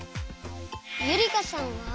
ゆりかさんは？